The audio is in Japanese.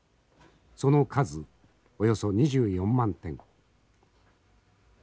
その数およそ２４万点。